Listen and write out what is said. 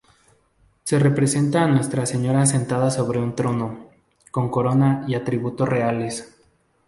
Se representa a Nuestra Señora sentada sobre un trono, con corona y atributos reales.